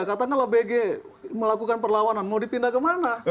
katanya kalau bg melakukan perlawanan mau dipindah ke mana